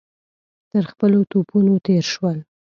تر خپلو توپونو تېر شول.